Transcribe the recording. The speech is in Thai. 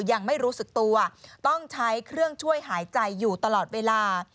ยังไม่รู้สึกตัวต้องใช้เครื่องช่วยหายใจอยู่ตลอดเวลา